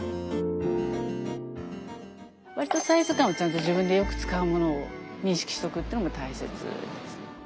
サイズ感を自分でよく使うものを認識しておくっていうのも大切です。